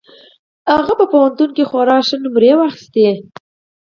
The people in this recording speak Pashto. هغه په کالج کې خورا ښې نومرې واخيستې